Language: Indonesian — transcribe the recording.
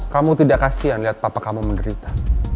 kamu tidak kasihan liat papa kamu menderita